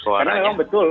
karena memang betul